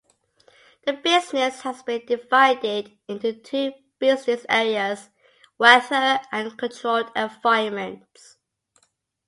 The business has been divided into two business areas: Weather and Controlled Environments.